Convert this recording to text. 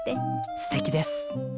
すてきです。